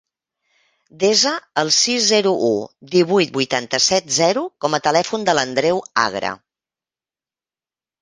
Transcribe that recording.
Desa el sis, zero, u, divuit, vuitanta-set, zero com a telèfon de l'Andreu Agra.